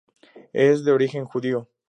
Es de origen judío.